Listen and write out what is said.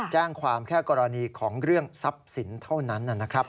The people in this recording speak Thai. แจ้งความแค่กรณีของเรื่องทรัพย์สินเท่านั้นนะครับ